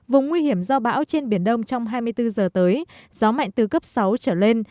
vùng nguy hiểm do bão trên biển đông trong hai mươi bốn giờ tới gió mạnh từ cấp sáu trở lên